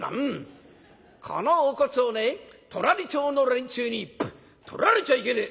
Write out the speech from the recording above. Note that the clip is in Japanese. このお骨をね隣町の連中にとられちゃいけねえ！」。